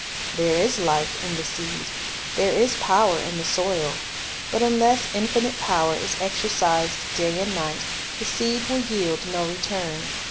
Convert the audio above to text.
There is life in the seed, there is power in the soil; but unless infinite power is exercised day and night, the seed will yield no return.